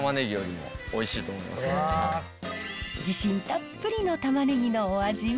自信たっぷりのタマネギのお味は。